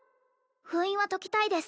封印は解きたいです